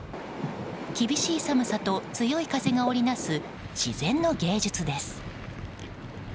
厳しい寒さと強い風が織りなす自然の芸術です。